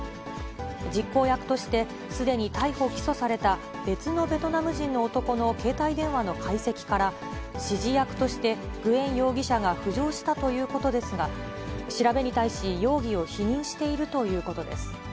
実行役としてすでに逮捕・起訴された別のベトナム人の男の携帯電話の解析から、指示役として、グエン容疑者が浮上したということですが、調べに対し、容疑を否認しているということです。